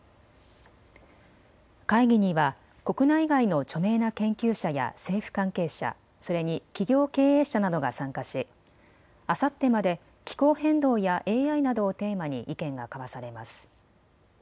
会議には国内外の著名な研究者や政府関係者、それに企業経営者などが参加しあさってまで気候変動やＡＩなどをテーマに意見が交わされます。